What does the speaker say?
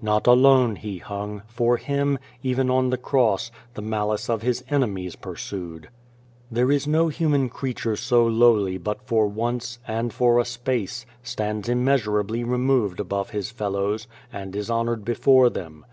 Not alone He hung, for Him, even on the cross, the malice of His enemies pursued. There is no human creature so lowly but for once, and for a space, stands immeasurably removed above his fellows, and is honoured before them.